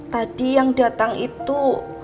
tadi yang dateng itu